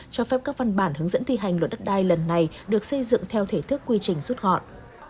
cho phép các văn bản hướng dẫn thi hành luật đất đai lần này được xây dựng theo thể thức quy trình rút gọn